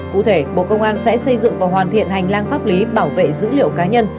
cụ thể bộ công an sẽ xây dựng và hoàn thiện hành lang pháp lý bảo vệ dữ liệu cá nhân